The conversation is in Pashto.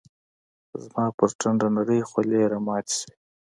زما پر ټنډه نرۍ خولې راماتي شوې